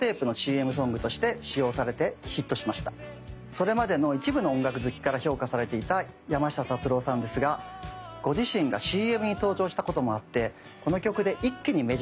それまでの一部の音楽好きから評価されていた山下達郎さんですがご自身がＣＭに登場したこともあってこの曲で一気にメジャーシーンに躍り出たんです。